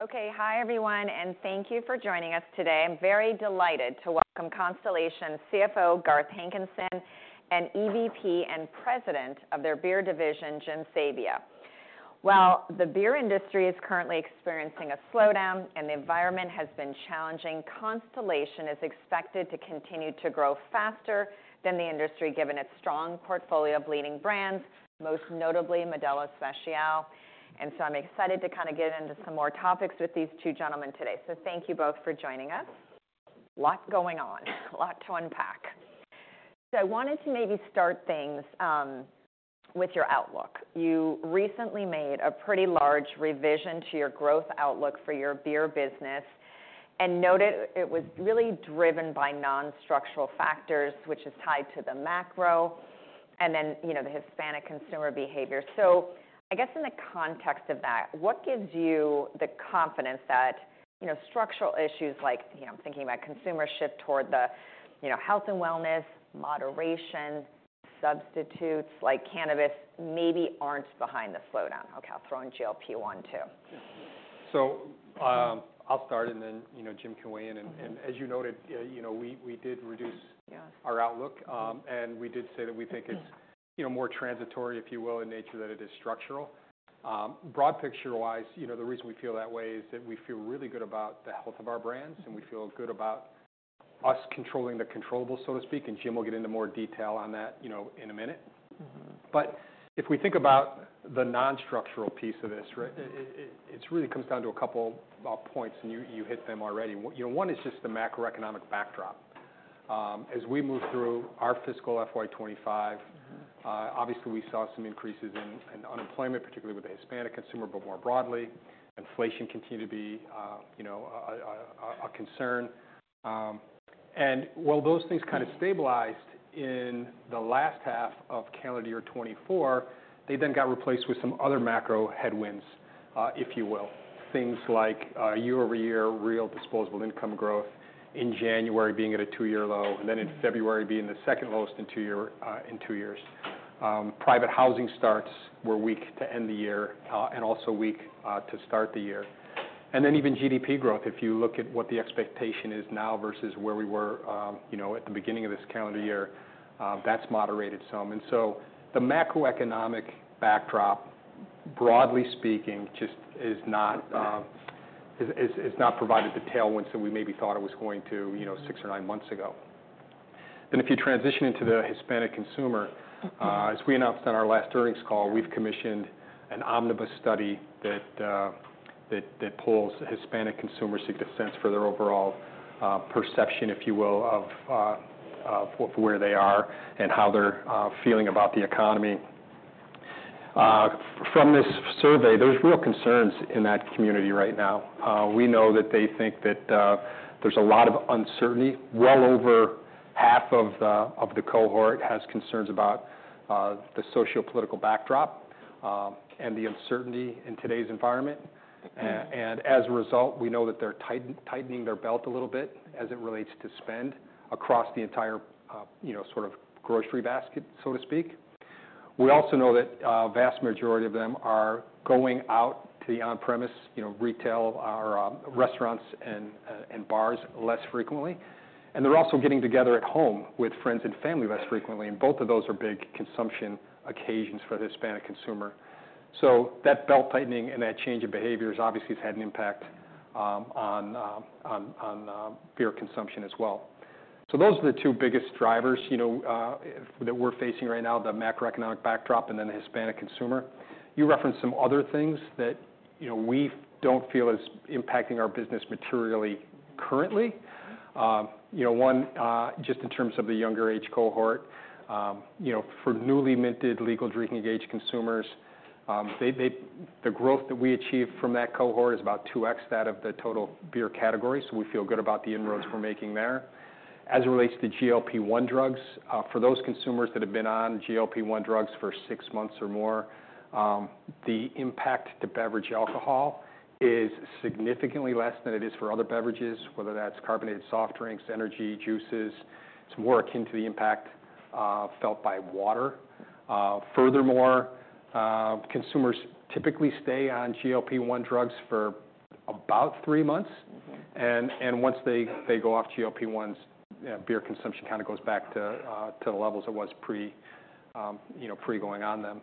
Okay, hi everyone, and thank you for joining us today. I'm very delighted to welcome Constellation CFO Garth Hankinson, and EVP and President of their beer division, Jim Sabia. The beer industry is currently experiencing a slowdown, and the environment has been challenging. Constellation is expected to continue to grow faster than the industry, given its strong portfolio of leading brands, most notably Modelo Especial. I'm excited to kind of get into some more topics with these two gentlemen today. Thank you both for joining us. A lot going on, a lot to unpack. I wanted to maybe start things with your outlook. You recently made a pretty large revision to your growth outlook for your beer business and noted it was really driven by non-structural factors, which is tied to the macro, and then the Hispanic consumer behavior. I guess in the context of that, what gives you the confidence that structural issues, like I'm thinking about consumer shift toward the health and wellness, moderation, substitutes like cannabis maybe aren't behind the slowdown? Okay, I'll throw in GLP-1 too. I'll start, and then Jim can weigh in. As you noted, we did reduce our outlook, and we did say that we think it's more transitory, if you will, in nature than it is structural. Broad picture-wise, the reason we feel that way is that we feel really good about the health of our brands, and we feel good about us controlling the controllable, so to speak. Jim will get into more detail on that in a minute. If we think about the non-structural piece of this, it really comes down to a couple of points, and you hit them already. One is just the macroeconomic backdrop. As we move through our fiscal FY2025, obviously we saw some increases in unemployment, particularly with the Hispanic consumer, but more broadly, inflation continued to be a concern. While those things kind of stabilized in the last half of calendar year 2024, they then got replaced with some other macro headwinds, if you will. Things like year-over-year real disposable income growth in January being at a two-year low, and then in February being the second lowest in two years. Private housing starts were weak to end the year, and also weak to start the year. Even GDP growth, if you look at what the expectation is now versus where we were at the beginning of this calendar year, that has moderated some. The macroeconomic backdrop, broadly speaking, just has not provided the tailwinds that we maybe thought it was going to six or nine months ago. If you transition into the Hispanic consumer, as we announced on our last earnings call, we've commissioned an omnibus study that pulls Hispanic consumers to get a sense for their overall perception, if you will, of where they are and how they're feeling about the economy. From this survey, there's real concerns in that community right now. We know that they think that there's a lot of uncertainty. Well over half of the cohort has concerns about the sociopolitical backdrop and the uncertainty in today's environment. As a result, we know that they're tightening their belt a little bit as it relates to spend across the entire sort of grocery basket, so to speak. We also know that a vast majority of them are going out to the on-premise retail or restaurants and bars less frequently. They are also getting together at home with friends and family less frequently. Both of those are big consumption occasions for the Hispanic consumer. That belt tightening and that change in behaviors obviously has had an impact on beer consumption as well. Those are the two biggest drivers that we are facing right now, the macroeconomic backdrop and then the Hispanic consumer. You referenced some other things that we do not feel are impacting our business materially currently. One, just in terms of the younger age cohort, for newly minted legal drinking age consumers, the growth that we achieve from that cohort is about 2x that of the total beer category. We feel good about the inroads we are making there. As it relates to GLP-1 drugs, for those consumers that have been on GLP-1 drugs for six months or more, the impact to beverage alcohol is significantly less than it is for other beverages, whether that's carbonated soft drinks, energy, juices. It's more akin to the impact felt by water. Furthermore, consumers typically stay on GLP-1 drugs for about three months. Once they go off GLP-1s, beer consumption kind of goes back to the levels it was pre-going on them.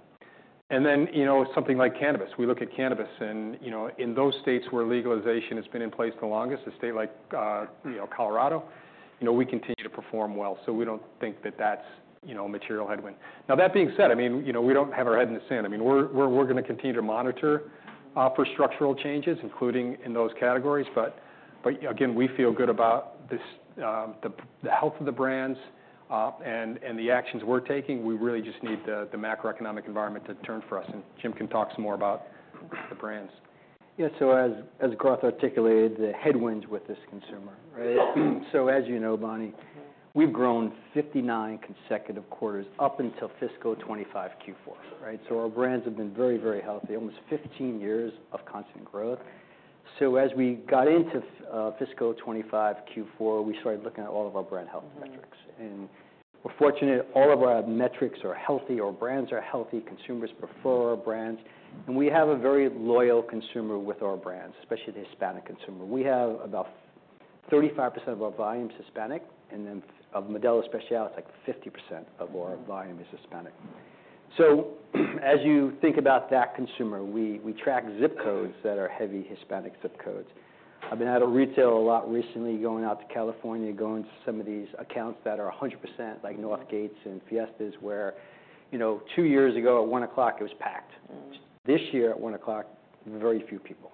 Something like cannabis. We look at cannabis, and in those states where legalization has been in place the longest, a state like Colorado, we continue to perform well. We don't think that that's a material headwind. That being said, I mean, we don't have our head in the sand. I mean, we're going to continue to monitor for structural changes, including in those categories. We feel good about the health of the brands and the actions we're taking. We really just need the macroeconomic environment to turn for us. Jim can talk some more about the brands. Yeah, as Garth articulated, the headwinds with this consumer, right? As you know, Bonnie, we have grown 59 consecutive quarters up until fiscal 2025 Q4, right? Our brands have been very, very healthy, almost 15 years of constant growth. As we got into fiscal 2025 Q4, we started looking at all of our brand health metrics. We are fortunate all of our metrics are healthy, our brands are healthy, consumers prefer our brands. We have a very loyal consumer with our brands, especially the Hispanic consumer. We have about 35% of our volume is Hispanic, and then of Modelo Especial, it is like 50% of our volume is Hispanic. As you think about that consumer, we track zip codes that are heavy Hispanic zip codes. I've been out of retail a lot recently, going out to California, going to some of these accounts that are 100% like North Gates and Fiestas, where two years ago at 1:00 P.M. it was packed. This year at 1:00 P.M., very few people.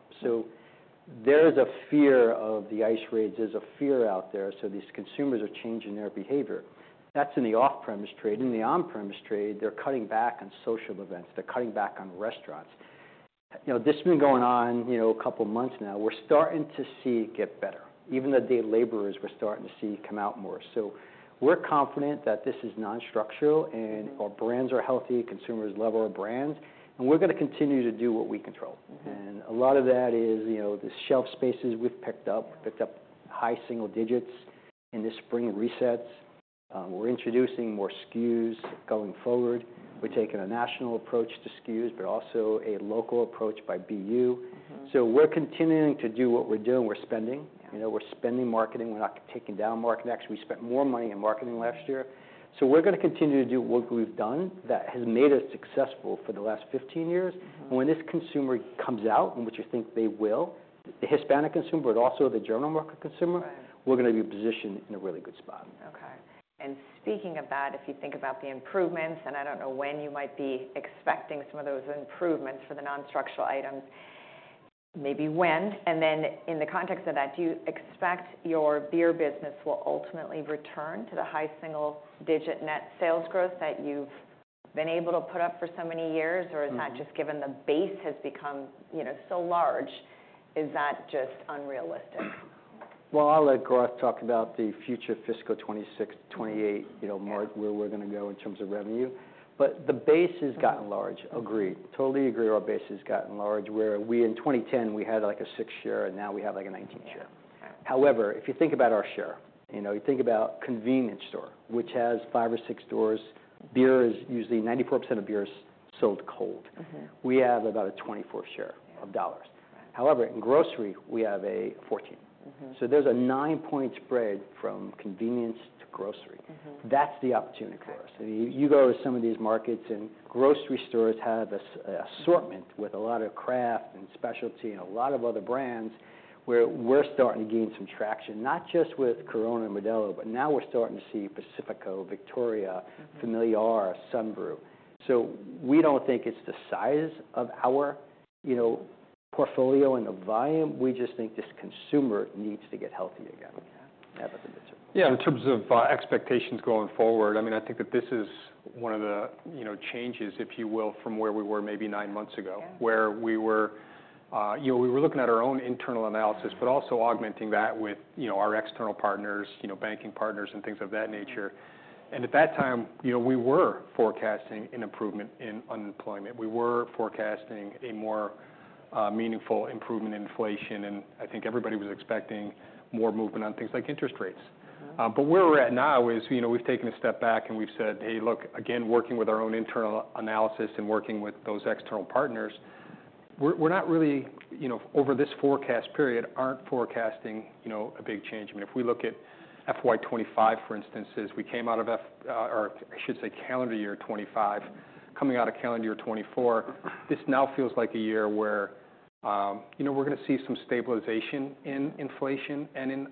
There is a fear of the ice raids. There's a fear out there. These consumers are changing their behavior. That's in the off-premise trade. In the on-premise trade, they're cutting back on social events. They're cutting back on restaurants. This has been going on a couple of months now. We're starting to see it get better. Even the day laborers we're starting to see come out more. We're confident that this is non-structural and our brands are healthy, consumers love our brands, and we're going to continue to do what we control. A lot of that is the shelf spaces we have picked up. We picked up high single digits in the spring resets. We are introducing more SKUs going forward. We are taking a national approach to SKUs, but also a local approach by BU. We are continuing to do what we are doing. We are spending. We are spending marketing. We are not taking down marketing action. We spent more money in marketing last year. We are going to continue to do what we have done that has made us successful for the last 15 years. When this consumer comes out, which I think they will, the Hispanic consumer, but also the general market consumer, we are going to be positioned in a really good spot. Okay. If you think about the improvements, and I do not know when you might be expecting some of those improvements for the non-structural items, maybe when. In the context of that, do you expect your beer business will ultimately return to the high single-digit net sales growth that you have been able to put up for so many years? Or is that just given the base has become so large, is that just unrealistic? I'll let Garth talk about the future fiscal 2026, 2028, where we're going to go in terms of revenue. The base has gotten large, agreed. Totally agree. Our base has gotten large, where in 2010, we had like a 6-share, and now we have like a 19-share. However, if you think about our share, you think about convenience store, which has five or six stores, beer is usually 94% of beer is sold cold. We have about a 24-share of dollars. However, in grocery, we have a 14. So there's a nine-point spread from convenience to grocery. That's the opportunity for us. You go to some of these markets, and grocery stores have an assortment with a lot of craft and specialty and a lot of other brands where we're starting to gain some traction, not just with Corona and Modelo, but now we're starting to see Pacifico, Victoria, Family R, Sun Brew. We do not think it's the size of our portfolio and the volume. We just think this consumer needs to get healthy again. Yeah, in terms of expectations going forward, I mean, I think that this is one of the changes, if you will, from where we were maybe nine months ago, where we were looking at our own internal analysis, but also augmenting that with our external partners, banking partners, and things of that nature. At that time, we were forecasting an improvement in unemployment. We were forecasting a more meaningful improvement in inflation. I think everybody was expecting more movement on things like interest rates. Where we're at now is we've taken a step back and we've said, hey, look, again, working with our own internal analysis and working with those external partners, we're not really, over this forecast period, forecasting a big change. I mean, if we look at FY2025, for instance, as we came out of, or I should say calendar year 2025, coming out of calendar year 2024, this now feels like a year where we're going to see some stabilization in inflation and in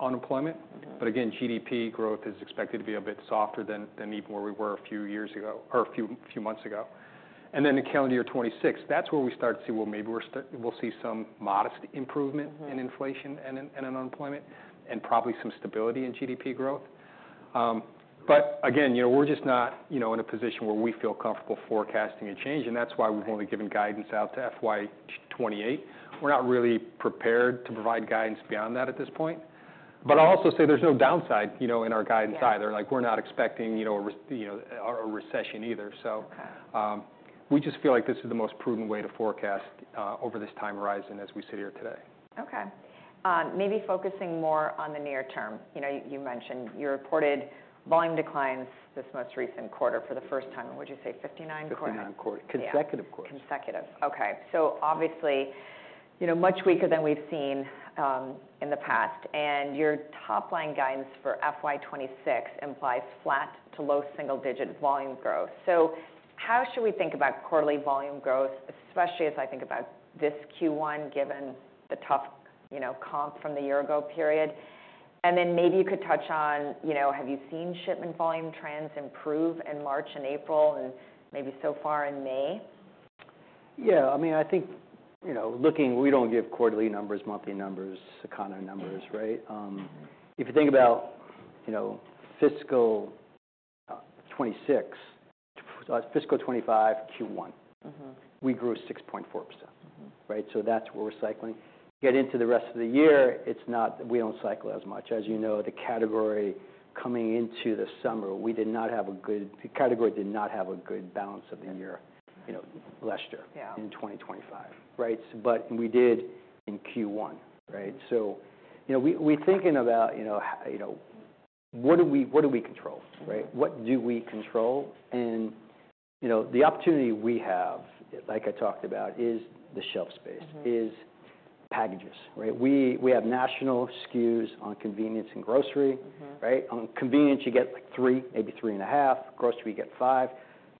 unemployment. Again, GDP growth is expected to be a bit softer than even where we were a few years ago or a few months ago. In calendar year 2026, that's where we start to see, well, maybe we'll see some modest improvement in inflation and in unemployment and probably some stability in GDP growth. Again, we're just not in a position where we feel comfortable forecasting a change. That's why we've only given guidance out to FY2028. We're not really prepared to provide guidance beyond that at this point. I'll also say there's no downside in our guidance either. We're not expecting a recession either. We just feel like this is the most prudent way to forecast over this time horizon as we sit here today. Okay. Maybe focusing more on the near term. You mentioned you reported volume declines this most recent quarter for the first time. Would you say 59 quarters? 59 quarters. Consecutive quarters. Consecutive. Okay. So obviously much weaker than we've seen in the past. Your top line guidance for FY2026 implies flat to low single-digit volume growth. How should we think about quarterly volume growth, especially as I think about this Q1 given the tough comp from the year ago period? Maybe you could touch on, have you seen shipment volume trends improve in March and April and maybe so far in May? Yeah. I mean, I think looking, we do not give quarterly numbers, monthly numbers, economy numbers, right? If you think about fiscal 2026, fiscal 2025 Q1, we grew 6.4%, right? So that is what we are cycling. Get into the rest of the year, it is not that we do not cycle as much. As you know, the category coming into the summer, we did not have a good category, did not have a good balance of the year last year in 2025, right? But we did in Q1, right? So we are thinking about what do we control, right? What do we control? And the opportunity we have, like I talked about, is the shelf space, is packages, right? We have national SKUs on convenience and grocery, right? On convenience, you get like three, maybe three and a half. Grocery, you get five.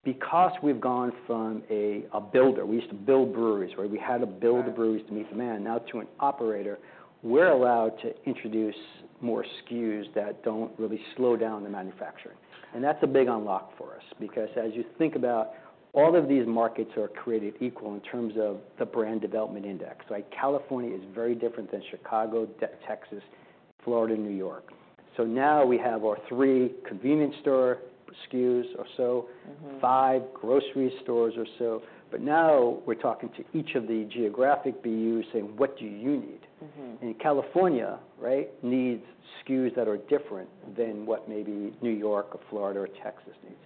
Because we have gone from a builder, we used to build breweries, right? We had to build the breweries to meet demand. Now to an operator, we're allowed to introduce more SKUs that don't really slow down the manufacturing. That's a big unlock for us because as you think about all of these markets are not created equal in terms of the brand development index. California is very different than Chicago, Texas, Florida, New York. Now we have our three convenience store SKUs or so, five grocery stores or so. Now we're talking to each of the geographic BUs saying, what do you need? California, right, needs SKUs that are different than what maybe New York or Florida or Texas needs.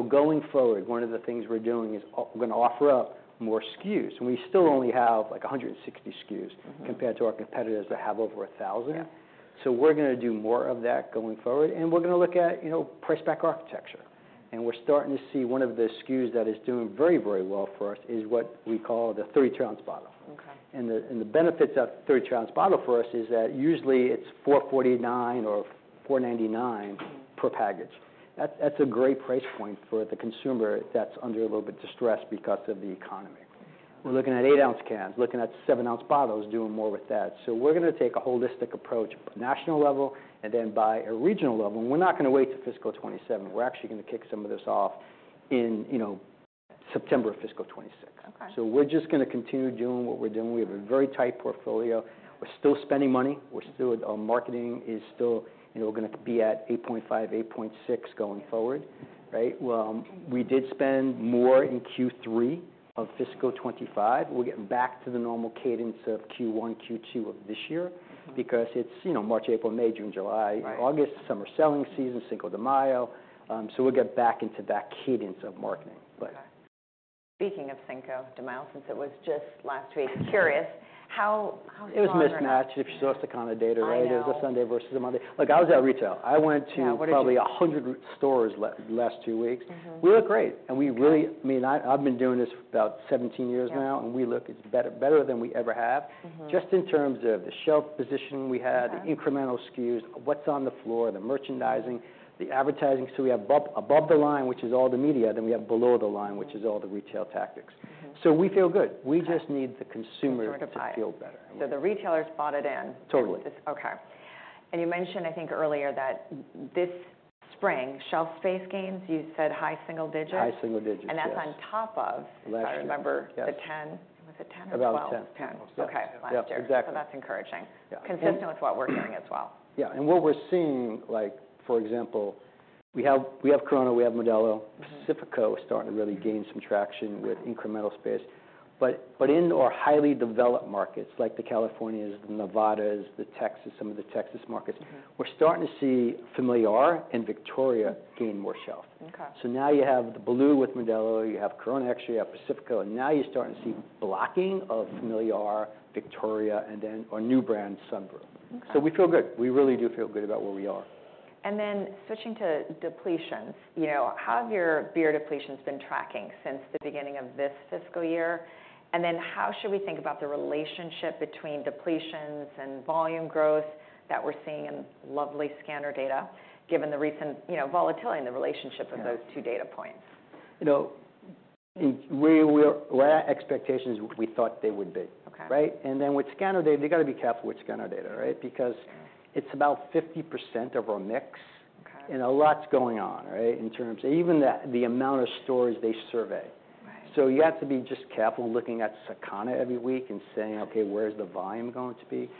Going forward, one of the things we're doing is we're going to offer up more SKUs. We still only have like 160 SKUs compared to our competitors that have over 1,000. We're going to do more of that going forward. We're going to look at price back architecture. We're starting to see one of the SKUs that is doing very, very well for us is what we call the 30-ounce bottle. The benefits of the 30-ounce bottle for us is that usually it's $4.49 or $4.99 per package. That's a great price point for the consumer that's under a little bit distressed because of the economy. We're looking at eight-ounce cans, looking at 7-ounce bottles, doing more with that. We're going to take a holistic approach at the national level and then by a regional level. We're not going to wait to fiscal 2027. We're actually going to kick some of this off in September of fiscal 2026. We're just going to continue doing what we're doing. We have a very tight portfolio. We're still spending money. We're still marketing is still going to be at 8.5%, 8.6% going forward, right? We did spend more in Q3 of fiscal 2025. We're getting back to the normal cadence of Q1, Q2 of this year because it's March, April, May, June, July, August, summer selling season, Cinco de Mayo. We'll get back into that cadence of marketing. Speaking of Cinco de Mayo, since it was just last week, curious, how. It was mismatched if you saw us to kind of data, right? It was a Sunday versus a Monday. Look, I was at retail. I went to probably 100 stores the last two weeks. We look great. And we really, I mean, I've been doing this for about 17 years now, and we look better than we ever have. Just in terms of the shelf position we had, the incremental SKUs, what's on the floor, the merchandising, the advertising. We have above the line, which is all the media. Then we have below the line, which is all the retail tactics. We feel good. We just need the consumer to feel better. The retailers bought it in. Totally. Okay. You mentioned, I think earlier that this spring, shelf space gains, you said high single digits. High single digits. That's on top of, I remember, the 10. Was it 10 or 12? About 10. 10. Okay. Last year. So that's encouraging. Consistent with what we're hearing as well. Yeah. What we're seeing, for example, we have Corona, we have Modelo, Pacifico starting to really gain some traction with incremental space. In our highly developed markets like California, Nevada, Texas, some of the Texas markets, we're starting to see Familia R and Victoria gain more shelf. Now you have the blue with Modelo, you have Corona Extra, you have Pacifico, and now you're starting to see blocking of Familia R, Victoria, and then our new brand, Sun Brew. We feel good. We really do feel good about where we are. Switching to depletions, how have your beer depletions been tracking since the beginning of this fiscal year? How should we think about the relationship between depletions and volume growth that we're seeing in lovely scanner data, given the recent volatility in the relationship of those two data points? Where our expectations we thought they would be, right? And then with scanner data, you got to be careful with scanner data, right? Because it's about 50% of our mix, and a lot's going on, right? In terms of even the amount of stores they survey. You have to be just careful looking at scanner every week and saying, okay, where's the volume going to be?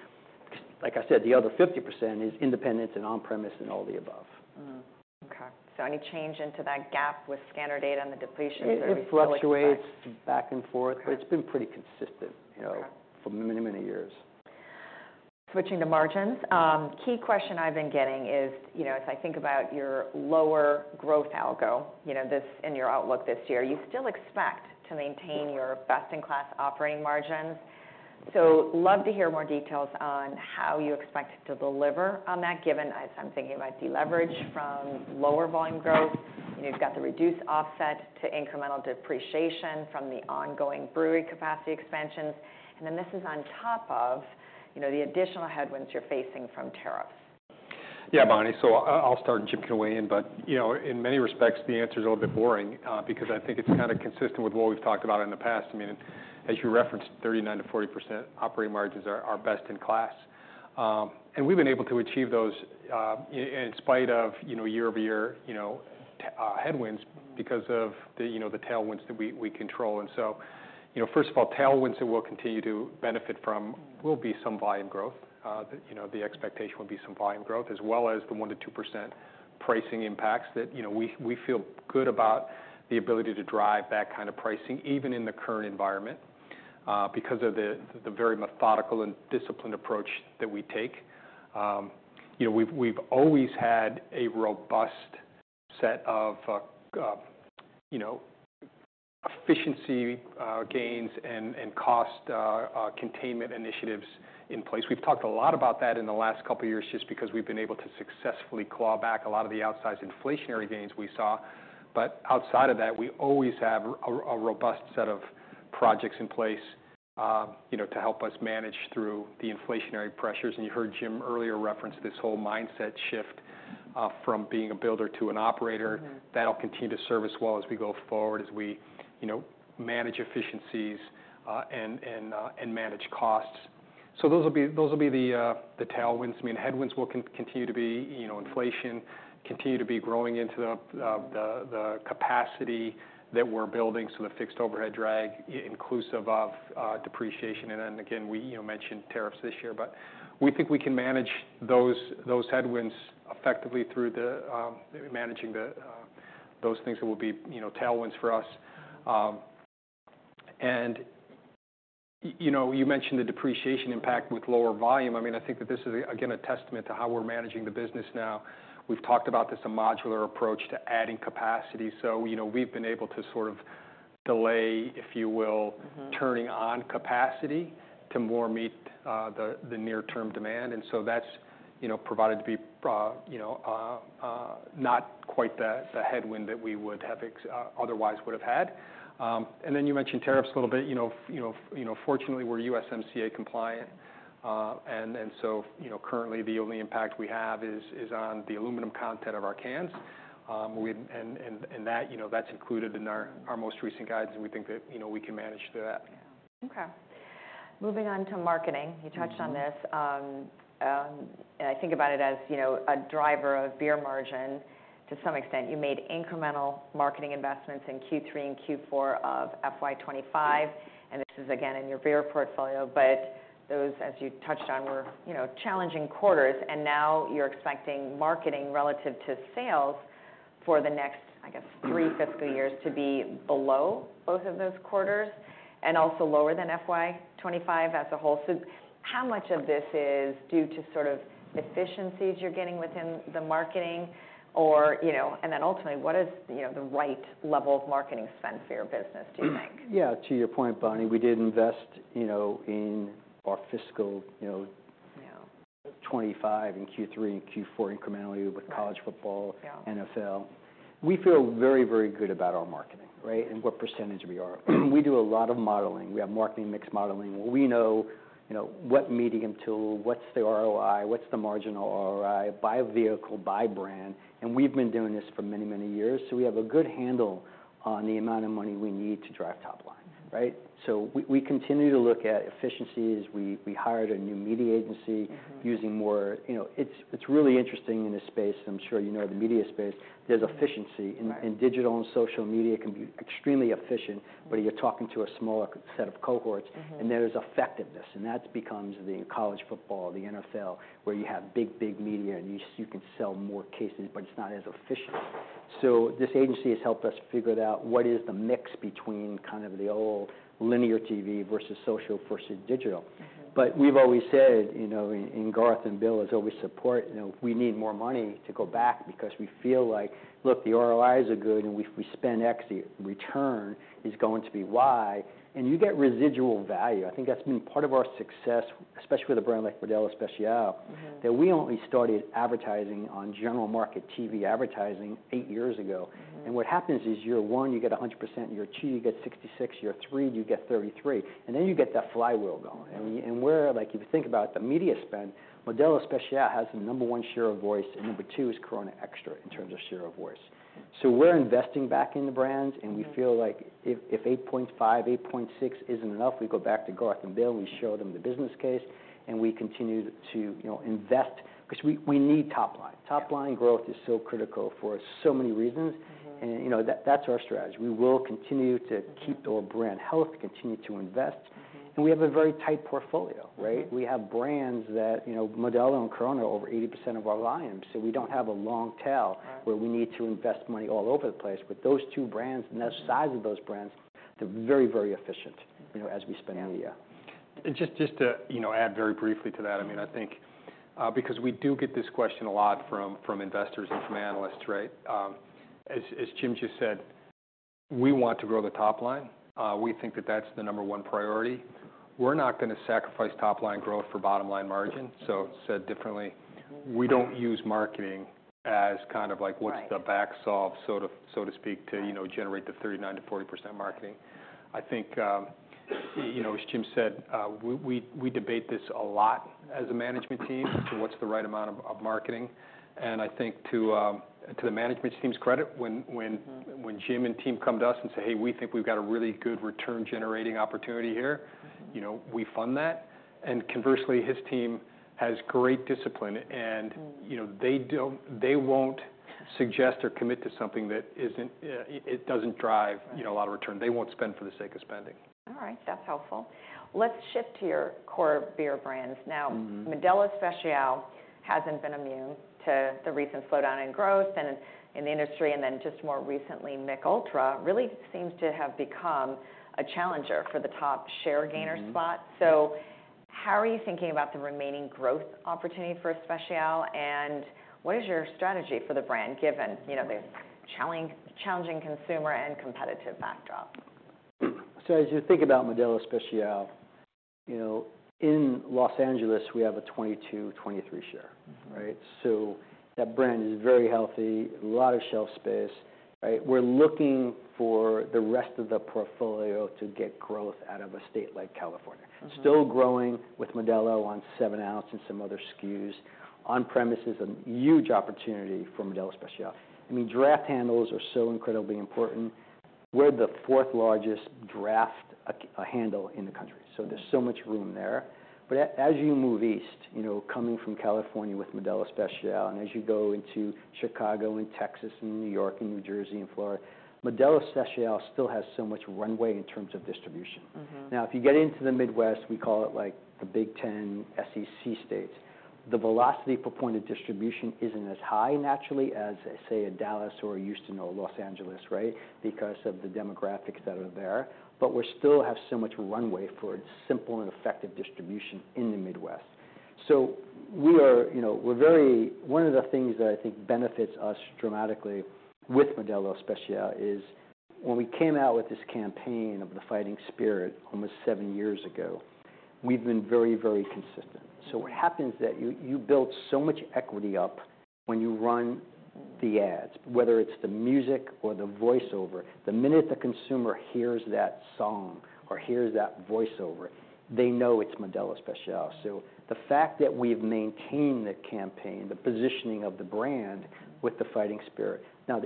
Like I said, the other 50% is independence and on-premise and all the above. Okay. So any change into that gap with scanner data and the depletions? It fluctuates back and forth, but it's been pretty consistent for many, many years. Switching to margins, key question I've been getting is, as I think about your lower growth algo, this in your outlook this year, you still expect to maintain your best-in-class operating margins. I would love to hear more details on how you expect to deliver on that, given, as I'm thinking about deleverage from lower volume growth. You have got the reduced offset to incremental depreciation from the ongoing brewery capacity expansions. This is on top of the additional headwinds you are facing from tariffs. Yeah, Bonnie, I'll start and chip your way in. In many respects, the answer is a little bit boring because I think it's kind of consistent with what we've talked about in the past. I mean, as you referenced, 39%-40% operating margins are best in class. We've been able to achieve those in spite of year-over-year headwinds because of the tailwinds that we control. First of all, tailwinds that we'll continue to benefit from will be some volume growth. The expectation will be some volume growth, as well as the 1%-2% pricing impacts that we feel good about, the ability to drive that kind of pricing even in the current environment, because of the very methodical and disciplined approach that we take. We've always had a robust set of efficiency gains and cost containment initiatives in place. We've talked a lot about that in the last couple of years just because we've been able to successfully claw back a lot of the outsized inflationary gains we saw. Outside of that, we always have a robust set of projects in place to help us manage through the inflationary pressures. You heard Jim earlier reference this whole mindset shift from being a builder to an operator. That'll continue to serve us well as we go forward, as we manage efficiencies and manage costs. Those will be the tailwinds. I mean, headwinds will continue to be inflation, continue to be growing into the capacity that we're building, so the fixed overhead drag inclusive of depreciation. Then again, we mentioned tariffs this year, but we think we can manage those headwinds effectively through managing those things that will be tailwinds for us. You mentioned the depreciation impact with lower volume. I mean, I think that this is, again, a testament to how we're managing the business now. We've talked about this, a modular approach to adding capacity. We've been able to sort of delay, if you will, turning on capacity to more meet the near-term demand. That has provided to be not quite the headwind that we would have otherwise would have had. You mentioned tariffs a little bit. Fortunately, we're USMCA compliant. Currently, the only impact we have is on the aluminum content of our cans. That's included in our most recent guidance, and we think that we can manage through that. Okay. Moving on to marketing, you touched on this. I think about it as a driver of beer margin to some extent. You made incremental marketing investments in Q3 and Q4 of FY2025. This is again in your beer portfolio, but those, as you touched on, were challenging quarters. Now you're expecting marketing relative to sales for the next, I guess, three fiscal years to be below both of those quarters and also lower than FY2025 as a whole. How much of this is due to sort of efficiencies you're getting within the marketing? Then ultimately, what is the right level of marketing spend for your business, do you think? Yeah. To your point, Bonnie, we did invest in our fiscal 2025 and Q3 and Q4 incrementally with college football, NFL. We feel very, very good about our marketing, right? And what percentage we are. We do a lot of modeling. We have marketing mix modeling. We know what medium tool, what's the ROI, what's the marginal ROI by vehicle, by brand. And we've been doing this for many, many years. We have a good handle on the amount of money we need to drive top line, right? We continue to look at efficiencies. We hired a new media agency using more. It's really interesting in this space. I'm sure you know the media space. There's efficiency in digital and social media can be extremely efficient, but you're talking to a smaller set of cohorts. There's effectiveness. That becomes the college football, the NFL, where you have big, big media and you can sell more cases, but it's not as efficient. This agency has helped us figure out what is the mix between kind of the old linear TV versus social versus digital. We have always said, and Garth and Bill have always supported, we need more money to go back because we feel like, look, the ROIs are good and if we spend X, the return is going to be Y. You get residual value. I think that's been part of our success, especially with a brand like Modelo Especial, that we only started advertising on general market TV advertising eight years ago. What happens is year one, you get 100%. Year two, you get 66%. Year three, you get 33%. Then you get that flywheel going. If you think about the media spend, Modelo Especial has the number one share of voice and number two is Corona Extra in terms of share of voice. We are investing back in the brands. We feel like if 8.5, 8.6 is not enough, we go back to Garth and Bill. We show them the business case and we continue to invest because we need top line. Top line growth is so critical for so many reasons. That is our strategy. We will continue to keep our brand health, continue to invest. We have a very tight portfolio, right? We have brands that Modelo and Corona are over 80% of our volume. We do not have a long tail where we need to invest money all over the place. Those two brands and the size of those brands, they're very, very efficient as we spend media. Just to add very briefly to that, I mean, I think because we do get this question a lot from investors and from analysts, right? As Jim just said, we want to grow the top line. We think that that's the number one priority. We're not going to sacrifice top line growth for bottom line margin. Said differently, we don't use marketing as kind of like what's the back solve, so to speak, to generate the 39%-40% marketing. I think, as Jim said, we debate this a lot as a management team to what's the right amount of marketing. I think to the management team's credit, when Jim and team come to us and say, "Hey, we think we've got a really good return-generating opportunity here," we fund that. Conversely, his team has great discipline. They will not suggest or commit to something that does not drive a lot of return. They will not spend for the sake of spending. All right. That's helpful. Let's shift to your core beer brands. Now, Modelo Especial hasn't been immune to the recent slowdown in growth in the industry. And then just more recently, Michelob Ultra really seems to have become a challenger for the top share gainer spot. How are you thinking about the remaining growth opportunity for Especial? What is your strategy for the brand, given the challenging consumer and competitive backdrop? As you think about Modelo Especial, in Los Angeles, we have a 22%-23% share, right? That brand is very healthy, a lot of shelf space, right? We're looking for the rest of the portfolio to get growth out of a state like California. Still growing with Modelo on seven ounce and some other SKUs. On-premise is a huge opportunity for Modelo Especial. I mean, draft handles are so incredibly important. We're the fourth largest draft handle in the country. There's so much room there. As you move east, coming from California with Modelo Especial, and as you go into Chicago and Texas and New York and New Jersey and Florida, Modelo Especial still has so much runway in terms of distribution. Now, if you get into the Midwest, we call it like the Big Ten SEC states. The velocity for point of distribution isn't as high naturally as, say, a Dallas or a Houston or Los Angeles, right? Because of the demographics that are there. We still have so much runway for simple and effective distribution in the Midwest. One of the things that I think benefits us dramatically with Modelo Especial is when we came out with this campaign of the fighting spirit almost seven years ago, we've been very, very consistent. What happens is that you build so much equity up when you run the ads, whether it's the music or the voiceover. The minute the consumer hears that song or hears that voiceover, they know it's Modelo Especial. The fact that we've maintained the campaign, the positioning of the brand with the fighting spirit. Now,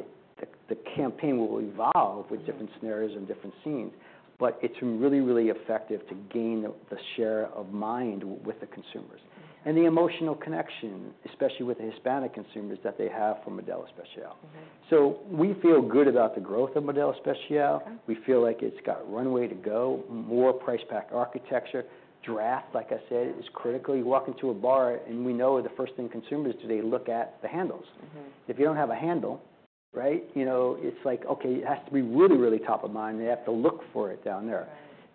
the campaign will evolve with different scenarios and different scenes, but it's really, really effective to gain the share of mind with the consumers. The emotional connection, especially with the Hispanic consumers that they have for Modelo Especial. We feel good about the growth of Modelo Especial. We feel like it's got runway to go, more price-packed architecture. Draft, like I said, is critical. You walk into a bar and we know the first thing consumers do, they look at the handles. If you don't have a handle, right? It's like, okay, it has to be really, really top of mind. They have to look for it down there.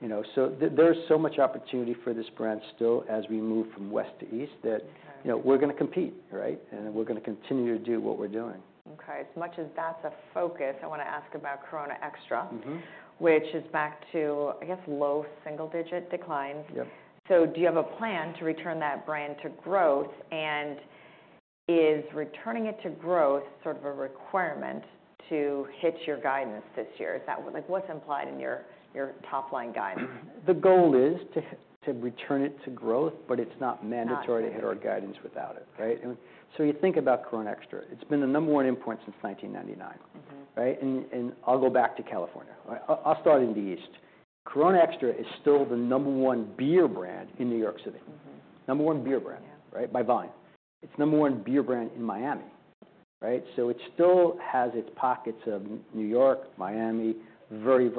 There is so much opportunity for this brand still as we move from west to east that we're going to compete, right? We're going to continue to do what we're doing. Okay. As much as that's a focus, I want to ask about Corona Extra, which is back to, I guess, low single-digit declines. Do you have a plan to return that brand to growth? Is returning it to growth sort of a requirement to hit your guidance this year? What's implied in your top-line guidance? The goal is to return it to growth, but it's not mandatory to hit our guidance without it, right? You think about Corona Extra. It's been the number one import since 1999, right? I'll go back to California. I'll start in the east. Corona Extra is still the number one beer brand in New York City. Number one beer brand, right? By volume. It's the number one beer brand in Miami, right? It still has its pockets of New York, Miami, very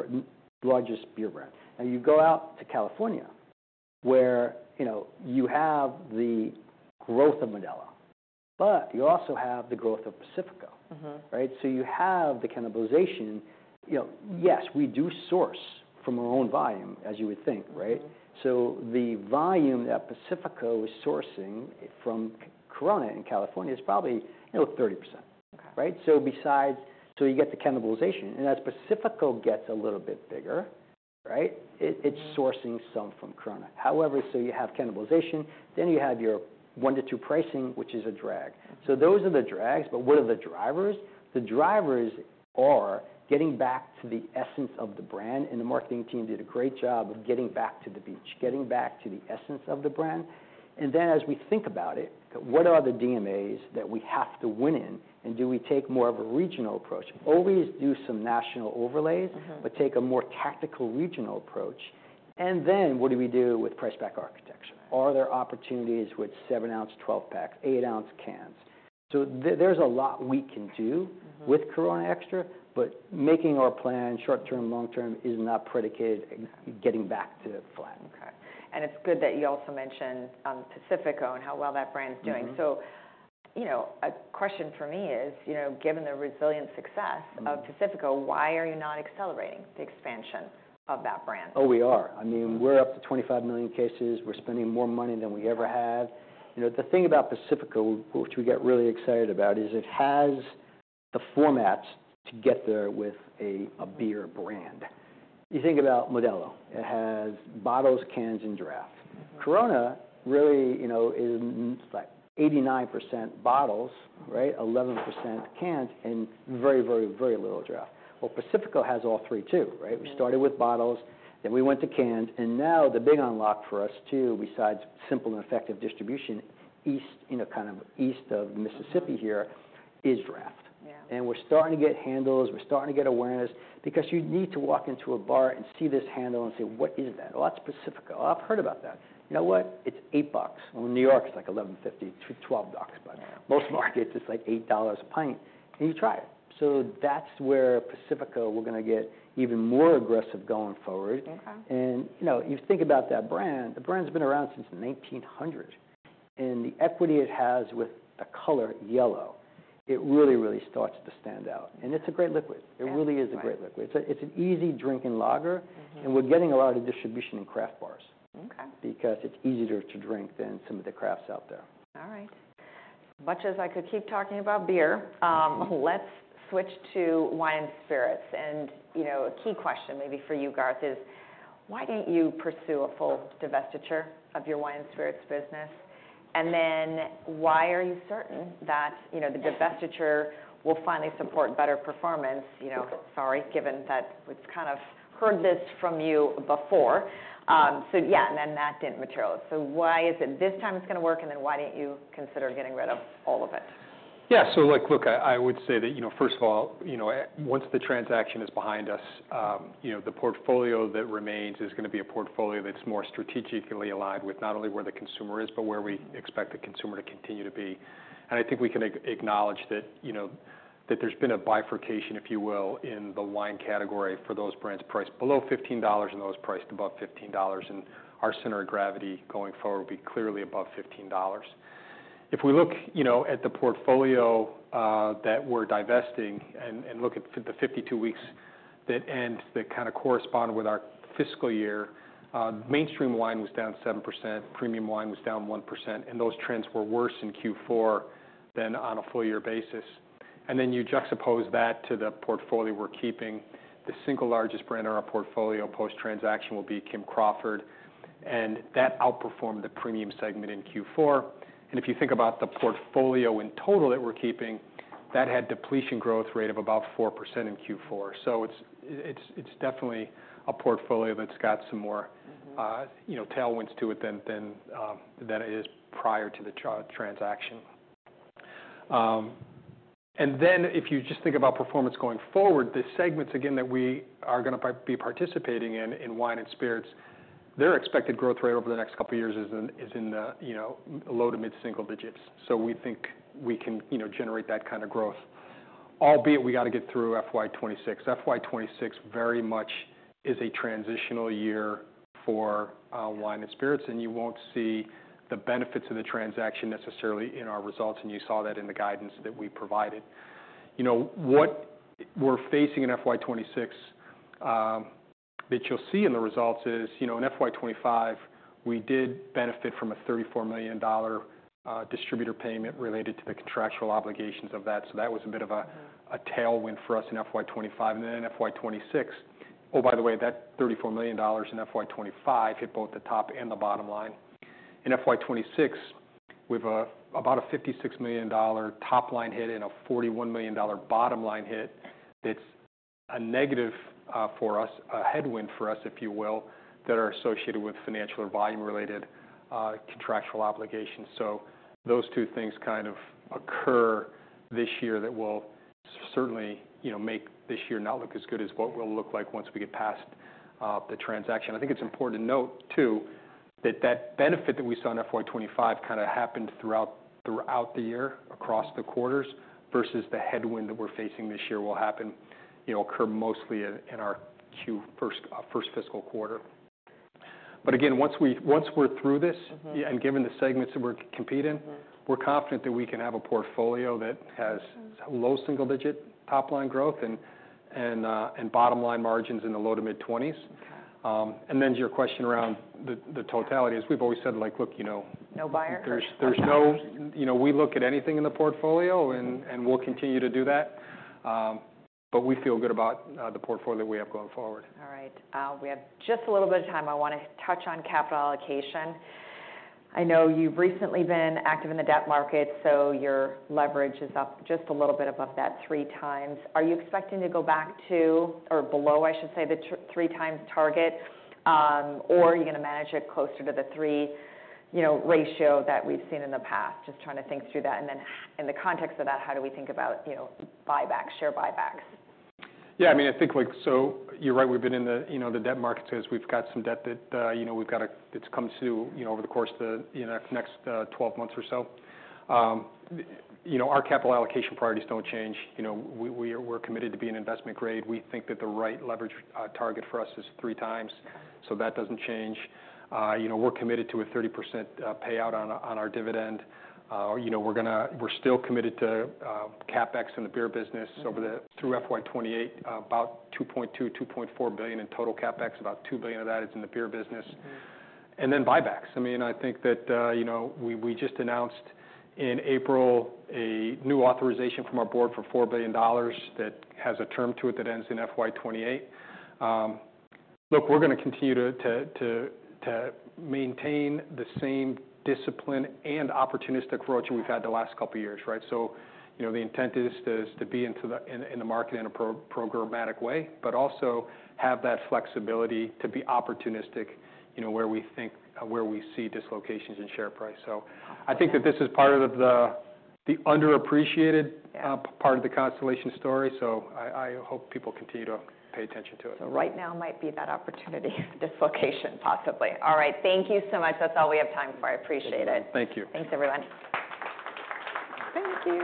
largest beer brand. You go out to California where you have the growth of Modelo, but you also have the growth of Pacifico, right? You have the cannibalization. Yes, we do source from our own volume, as you would think, right? The volume that Pacifico is sourcing from Corona in California is probably 30%, right? You get the cannibalization. As Pacifico gets a little bit bigger, right, it is sourcing some from Corona. However, you have cannibalization, then you have your one to two pricing, which is a drag. Those are the drags. What are the drivers? The drivers are getting back to the essence of the brand. The marketing team did a great job of getting back to the beach, getting back to the essence of the brand. As we think about it, what are the DMAs that we have to win in? Do we take more of a regional approach? Always do some national overlays, but take a more tactical regional approach. What do we do with price-packed architecture? Are there opportunities with seven ounce, 12 packs, eight ounce cans? There's a lot we can do with Corona Extra, but making our plan short-term, long-term is not predicated on getting back to flat. Okay. It is good that you also mentioned Pacifico and how well that brand's doing. A question for me is, given the resilient success of Pacifico, why are you not accelerating the expansion of that brand? Oh, we are. I mean, we're up to 25 million cases. We're spending more money than we ever have. The thing about Pacifico, which we get really excited about, is it has the formats to get there with a beer brand. You think about Modelo. It has bottles, cans, and draft. Corona really is like 89% bottles, right? 11% cans and very, very, very little draft. Pacifico has all three too, right? We started with bottles, then we went to cans. Now the big unlock for us too, besides simple and effective distribution kind of east of Mississippi here, is draft. We're starting to get handles. We're starting to get awareness because you need to walk into a bar and see this handle and say, "What is that? Oh, that's Pacifico. I've heard about that. You know what? It's eight bucks." New York is like $11.50, $12, but most markets, it's like $8 a pint. You try it. That is where Pacifico, we are going to get even more aggressive going forward. You think about that brand, the brand has been around since 1900. The equity it has with the color yellow, it really, really starts to stand out. It is a great liquid. It really is a great liquid. It is an easy drinking lager. We are getting a lot of distribution in craft bars because it is easier to drink than some of the crafts out there. All right. Much as I could keep talking about beer, let's switch to wine and spirits. A key question maybe for you, Garth, is why didn't you pursue a full divestiture of your wine and spirits business? Why are you certain that the divestiture will finally support better performance? Sorry, given that we've kind of heard this from you before. That didn't materialize. Why is it this time it's going to work? Why didn't you consider getting rid of all of it? Yeah. So look, I would say that first of all, once the transaction is behind us, the portfolio that remains is going to be a portfolio that's more strategically aligned with not only where the consumer is, but where we expect the consumer to continue to be. I think we can acknowledge that there's been a bifurcation, if you will, in the wine category for those brands priced below $15 and those priced above $15. Our center of gravity going forward will be clearly above $15. If we look at the portfolio that we're divesting and look at the 52 weeks that ends that kind of correspond with our fiscal year, mainstream wine was down 7%, premium wine was down 1%. Those trends were worse in Q4 than on a full year basis. You juxtapose that to the portfolio we're keeping. The single largest brand in our portfolio post-transaction will be Kim Crawford. That outperformed the premium segment in Q4. If you think about the portfolio in total that we're keeping, that had depletion growth rate of about 4% in Q4. It is definitely a portfolio that's got some more tailwinds to it than it did prior to the transaction. If you just think about performance going forward, the segments again that we are going to be participating in, in wine and spirits, their expected growth rate over the next couple of years is in the low to mid-single digits. We think we can generate that kind of growth, albeit we got to get through FY2026. FY2026 very much is a transitional year for wine and spirits. You won't see the benefits of the transaction necessarily in our results. You saw that in the guidance that we provided. What we're facing in FY2026 that you'll see in the results is in FY2025, we did benefit from a $34 million distributor payment related to the contractual obligations of that. That was a bit of a tailwind for us in FY2025. In FY2026, oh, by the way, that $34 million in FY2025 hit both the top and the bottom line. In FY2026, we have about a $56 million top line hit and a $41 million bottom line hit that's a negative for us, a headwind for us, if you will, that are associated with financial or volume-related contractual obligations. Those two things kind of occur this year that will certainly make this year not look as good as what we'll look like once we get past the transaction. I think it's important to note too that that benefit that we saw in FY2025 kind of happened throughout the year, across the quarters versus the headwind that we're facing this year will occur mostly in our first fiscal quarter. Once we're through this and given the segments that we're competing, we're confident that we can have a portfolio that has low single-digit top line growth and bottom line margins in the low to mid-20s. Your question around the totality is we've always said like, look. No buyer pressure. We look at anything in the portfolio and we'll continue to do that. We feel good about the portfolio that we have going forward. All right. We have just a little bit of time. I want to touch on capital allocation. I know you've recently been active in the debt market, so your leverage is up just a little bit above that three times. Are you expecting to go back to or below, I should say, the three times target, or are you going to manage it closer to the three ratio that we've seen in the past? Just trying to think through that. In the context of that, how do we think about buybacks, share buybacks? Yeah. I mean, I think so you're right. We've been in the debt markets as we've got some debt that we've got to that's come through over the course of the next 12 months or so. Our capital allocation priorities don't change. We're committed to being investment grade. We think that the right leverage target for us is three times. That doesn't change. We're committed to a 30% payout on our dividend. We're still committed to CapEx in the beer business through fiscal year 2028, about $2.2 billion-$2.4 billion in total CapEx. About $2 billion of that is in the beer business. And then buybacks. I mean, I think that we just announced in April a new authorization from our board for $4 billion that has a term to it that ends in fiscal year 2028. Look, we're going to continue to maintain the same discipline and opportunistic approach we've had the last couple of years, right? The intent is to be in the market in a programmatic way, but also have that flexibility to be opportunistic where we see dislocations in share price. I think that this is part of the underappreciated part of the Constellation story. I hope people continue to pay attention to it. Right now might be that opportunity dislocation possibly. All right. Thank you so much. That's all we have time for. I appreciate it. Thank you. Thanks, everyone. Thank you.